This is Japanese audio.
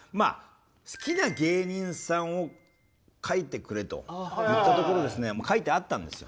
好きな芸人さんを書いてくれと言ったところですね書いてあったんですよ。